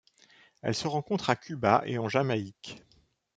Elle se rencontre à Cuba et en Jamaïque.